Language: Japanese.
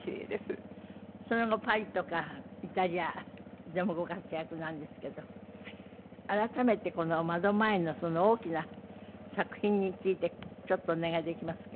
その後パリとかイタリアでもご活躍なんですけど改めてこの窓前のその大きな作品についてちょっとお願いできますか？